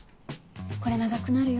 これ長くなるよ。